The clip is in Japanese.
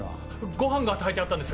ご飯が炊いてあったんです！